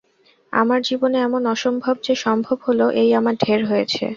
আমার জীবনে এমন অসম্ভব যে সম্ভব হল এই আমার ঢের হয়েছে।